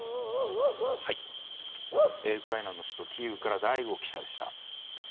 ウクライナの首都キーウから、醍醐記者でした。